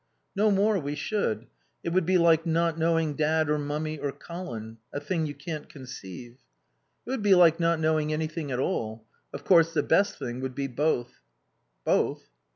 "No more we should. It would be like not knowing Dad or Mummy or Colin. A thing you can't conceive." "It would be like not knowing anything at all ... Of course, the best thing would be both." "Both?"